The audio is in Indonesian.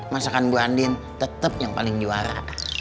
masakan bu andin tetap yang paling juara